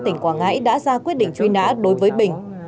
tỉnh quảng ngãi đã ra quyết định truy nã đối với bình